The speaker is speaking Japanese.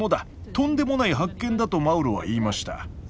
とんでもない発見だ」とマウロは言いました。